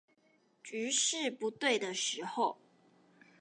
局勢不對的時候